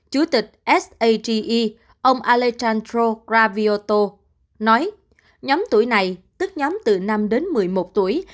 chủ tịch sage ông alejandro gravioto nói nhóm tuổi này tức nhóm từ năm đến một mươi một tuổi